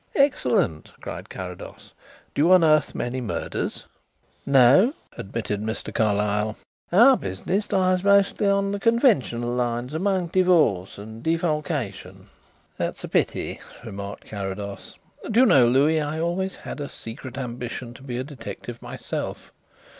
"Excellent!" cried Carrados. "Do you unearth many murders?" "No," admitted Mr. Carlyle; "our business lies mostly on the conventional lines among divorce and defalcation." "That's a pity," remarked Carrados. "Do you know, Louis, I always had a secret ambition to be a detective myself.